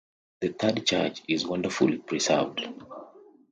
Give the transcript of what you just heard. The third church is wonderfully preserved.